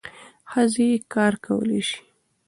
ښځې کار کولای سي.